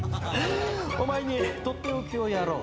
お前に取って置きをやろう。